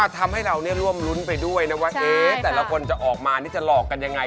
ทำให้เราร่วมรุ้นไปด้วยนะว่าแต่ละคนจะออกมานี่จะหลอกกันยังไง